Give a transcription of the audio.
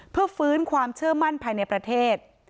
เพื่อฟื้นความเชื่อมั่นภายในประเทศ